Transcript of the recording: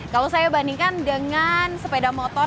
kalau saya bandingkan dengan sepeda motor